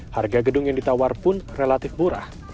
harga gedung yang ditawar pun relatif murah